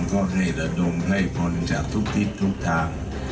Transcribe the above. ก็ให้ระดมให้พรจากทุกทิศทุกทาง